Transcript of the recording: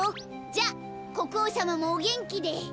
じゃこくおうさまもおげんきで。